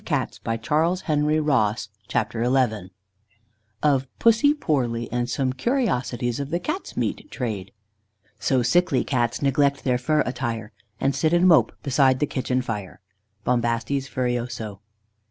CHAPTER XI. [Illustration: CHAPTER XI.] Of Pussy Poorly, and of some Curiosities of the Cats' meat Trade. "So sickly Cats neglect their fur attire, And sit and mope beside the kitchen fire." _Bombastes Furioso.